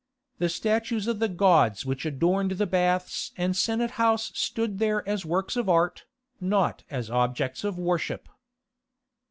The statues of the gods which adorned the Baths and Senate House stood there as works of art, not as objects of worship.